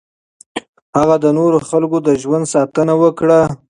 هغه د نورو خلکو د ژوند ساتنه وکړه.